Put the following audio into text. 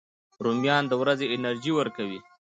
رومیان د ورځې انرژي ورکوي